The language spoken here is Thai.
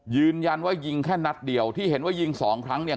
ยืนยันว่ายิงแค่นัดเดียวที่เห็นว่ายิงสองครั้งเนี่ย